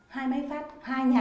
hai máy phát hai nhà sát nhau